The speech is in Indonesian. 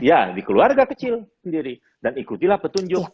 ya dikeluarga kecil sendiri dan ikutilah petunjuk